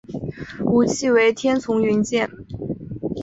武器为天丛云剑。